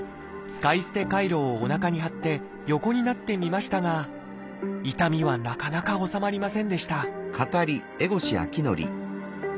使い捨てカイロをおなかに貼って横になってみましたが痛みはなかなか治まりませんでした